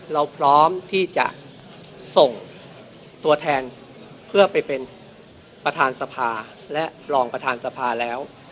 เราพร้อมที่จะส่งตัวแทนเพื่อไปเป็นประธานสภาและรองประธานสภาแล้ว